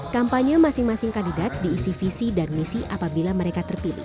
kampanye masing masing kandidat diisi visi dan misi apabila mereka terpilih